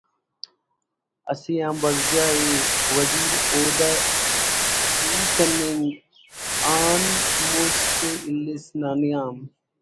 اسے آن برجا ءِ ہر وزیر عہدہ ءِ دوئی کننگ آن مُست اُلس نا نیام